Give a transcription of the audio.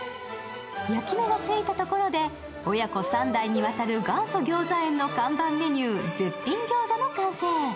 焼き目がついたところで親子３代にわたる元祖ぎょうざ苑の看板メニュー、絶品ギョーザの完成。